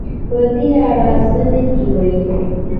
په دې اړه څه نه دې ویلي